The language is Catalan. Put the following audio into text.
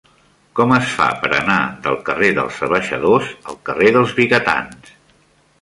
Com es fa per anar del carrer dels Abaixadors al carrer dels Vigatans?